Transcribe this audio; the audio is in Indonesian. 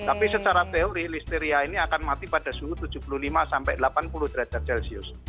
tapi secara teori listeria ini akan mati pada suhu tujuh puluh lima sampai delapan puluh derajat celcius